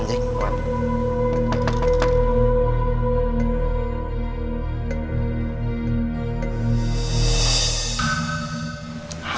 ya gak ada